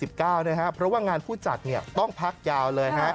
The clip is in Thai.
เพราะว่างานผู้จัดต้องพักยาวเลย